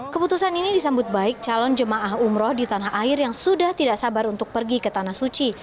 keputusan ini disambut baik calon jemaah umroh di tanah air yang sudah tidak sabar untuk pergi ke tanah suci